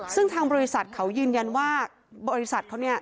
ซึ่งทางบริษัทเขายืนยันว่าบริษัทเขาเนี่ย